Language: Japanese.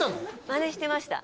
マネしてました